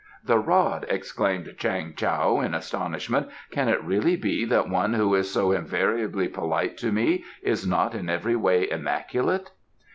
"The rod!" exclaimed Chang Tao in astonishment. "Can it really be that one who is so invariably polite to me is not in every way immaculate?"